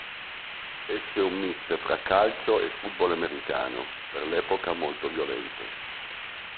Esso è un mix fra calcio e football americano, per l'epoca molto violento.